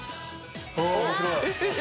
面白い！